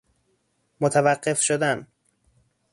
متوقف شدن